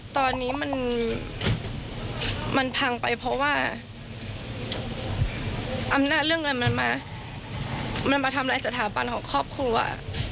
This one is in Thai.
ตอนนี้มันพังไปเพราะว่าอำนาจเรื่องเงินมันมาทำลายสถาบันของครอบครัว